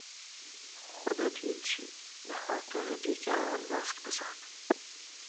خودت هیچی بخاطر دیگران ماسک بزن